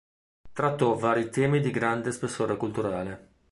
Trattò vari temi di grande spessore culturale.